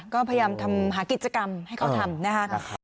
ก็พยายามทำหากิจกรรมให้เขาทำนะคะ